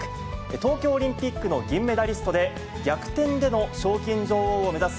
東京オリンピックの銀メダリストで、逆転での賞金女王を目指す